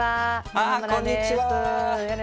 あこんにちは。